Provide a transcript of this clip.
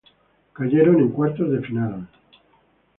Cayeron en cuartos de final.